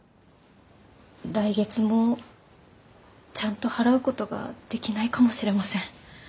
来月もちゃんと払うことができないかもしれません。